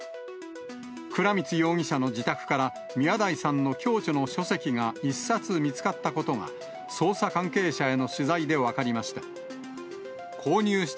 倉光容疑者の自宅から、宮台さんの共著の書籍が１冊見つかったことが、捜査関係者への取材で分かりました。